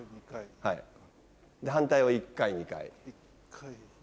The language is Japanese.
反対を１回２回。